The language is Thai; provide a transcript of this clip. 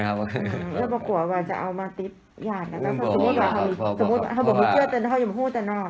อืมแล้วปะกัวว่าจะเอามาติ๊บอย่างนั้น